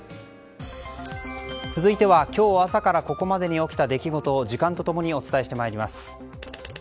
続いては今日朝からここまでに起きた出来事を時間と共にお伝えしてまいります。